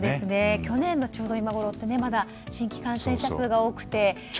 去年のちょうど今ごろってまだ新規感染者数が多くて。